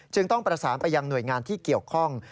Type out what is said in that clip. ต้องประสานไปยังหน่วยงานที่เกี่ยวข้อง